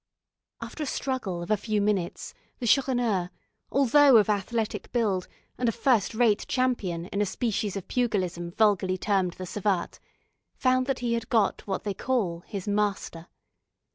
After a struggle of a few minutes, the Chourineur, although of athletic build, and a first rate champion in a species of pugilism vulgarly termed the savate, found that he had got what they call his master.